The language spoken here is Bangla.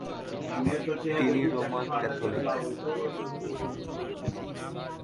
তিনি রোমান ক্যাথলিক।